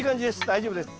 大丈夫です。